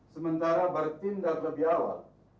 sementara bertindak lebih awal